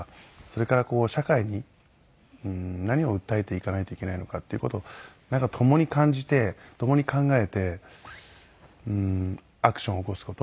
それから社会に何を訴えていかないといけないのかっていう事を共に感じて共に考えてアクションを起こす事。